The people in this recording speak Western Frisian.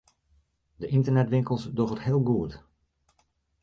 De ynternetwinkels dogge it heel goed.